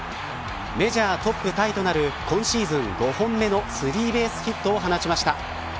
メジャートップタイとなる今シーズン５本目のスリーベースヒットを放ちました。